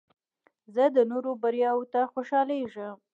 زه د نورو بریاوو ته خوشحالیږم.